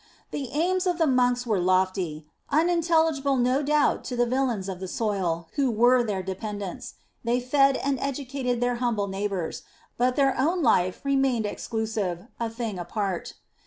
The aims of the monks were lofty, unintelligible no doubt to the villeins of the soil, who were their dependents ; they fed and educated their humble neighbours, but their own life remained exclusive, a thing apart.